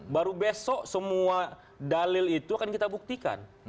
baru besok semua dalil itu akan kita buktikan